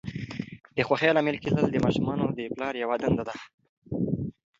د خوښۍ لامل کېدل د ماشومانو د پلار یوه دنده ده.